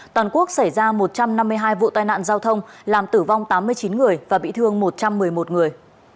toàn quốc xảy ra một trăm năm mươi hai vụ tai nạn giao thông làm tử vong tám mươi chín người và bị thương một trăm một mươi một người